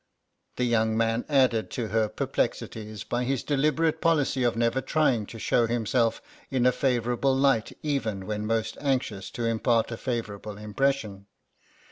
The young man added to her perplexities by his deliberate policy of never trying to show himself in a favourable light even when most anxious to impart a favourable impression.